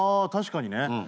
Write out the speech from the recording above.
確かにね。